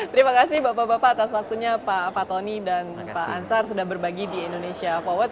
terima kasih bapak bapak atas waktunya pak fatoni dan pak ansar sudah berbagi di indonesia forward